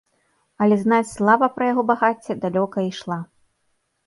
Але, знаць, слава пра яго багацце далёка ішла.